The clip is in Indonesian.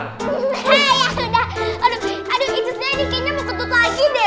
hah yaudah aduh ijusnya nih kayaknya mau ketut lagi deh